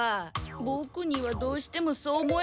ボクにはどうしてもそう思えなくて。